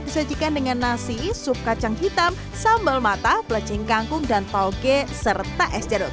satu paket disajikan dengan nasi sup kacang hitam sambal mata pelacing kangkung dan toge serta es jeruk